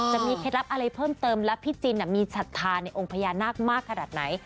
เคล็ดลับอะไรเพิ่มเติมและพี่จินมีศรัทธาในองค์พญานาคมากขนาดไหน